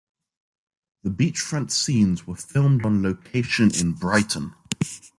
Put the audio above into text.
The beachfront scenes were filmed on location in Brighton.